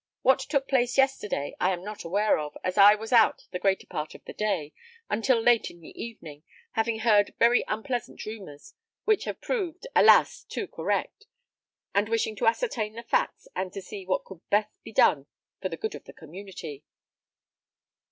What took place yesterday I am not aware of, as I was out the greater part of the day, until late in the evening, having heard very unpleasant rumours, which have proved, alas! too correct, and wishing to ascertain the facts, and to see what could best be done for the good of the community."